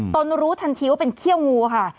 ตนรู้ทันทีว่าเป็นเขี้ยวงูค่ะ